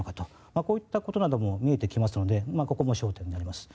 こういったことなども見えてきますのでここも焦点になります。